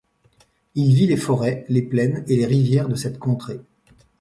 Il vit les forêts, les plaines et les rivières de cette contrée.